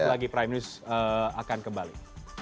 selagi prime news akan kembali